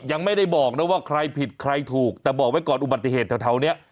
ยังไม่ได้บอกนะว่าใครผิดใครถูกแต่บอกไว้ก่อนอุบัติเหตุแถวนี้